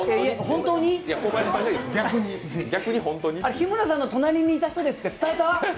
日村さんの隣にいた人ですって伝えた？